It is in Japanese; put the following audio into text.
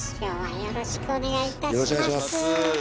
よろしくお願いします。